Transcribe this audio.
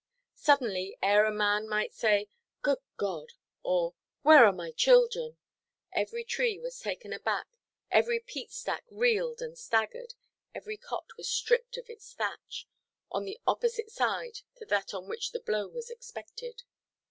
Suddenly, ere a man might say, "Good God!" or "Where are my children?" every tree was taken aback, every peat–stack reeled and staggered, every cot was stripped of its thatch, on the opposite side to that on which the blow was expected.